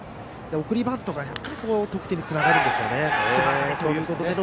送りバントが得点につながるんですよね。